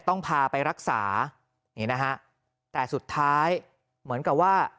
ต้องพาไปรักษานี่นะฮะแต่สุดท้ายเหมือนกับว่า